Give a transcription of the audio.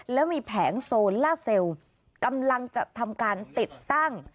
แล้วมีแผงโซนล่าเซลล์กำลังจะทำการติดตั้ง